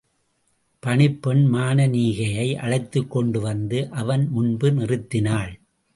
பணிப்பெண் மானனீகையை அழைத்துக்கொண்டு வந்து அவன் முன்பு நிறுத்தினாள்.